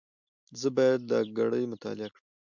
زه باید دا ګړې مطالعه کړم.